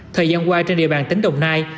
thời gian qua trên địa bàn tỉnh đồng nai